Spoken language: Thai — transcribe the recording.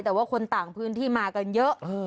แต่ว่าคนต่างพื้นที่มากันเยอะ